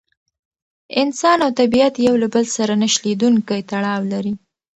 انسان او طبیعت یو له بل سره نه شلېدونکی تړاو لري.